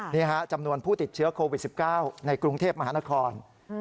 นี่ฮะจำนวนผู้ติดเชื้อโควิด๑๙ในกรุงเทพมหานคร